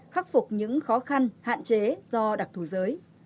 khắc phục những khó khăn hạn chế do đặc thù giới